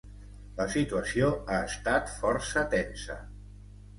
La situació ha estat força tensa.